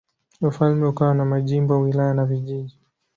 Ufalme ukawa na majimbo, wilaya na vijiji.